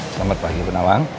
selamat pagi bu nawang